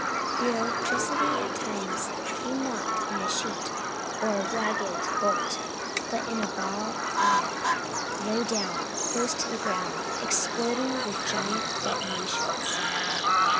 The electricity at times came not in a sheet or a ragged bolt, but in a ball of fire, low down, close to the ground, exploding with giant detonations.